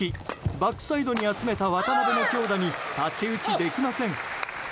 バックサイドに集めた渡辺の強打に太刀打ちできません。